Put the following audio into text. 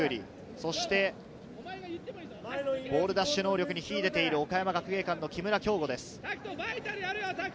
そしてボール奪取能力に秀でている岡山学芸館の木村匡吾です。